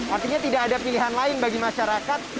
artinya tidak ada pilihan lain bagi masyarakat